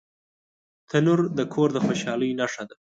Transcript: تنور د کور د خوشحالۍ نښه ده